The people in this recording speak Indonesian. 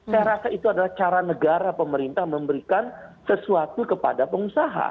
saya rasa itu adalah cara negara pemerintah memberikan sesuatu kepada pengusaha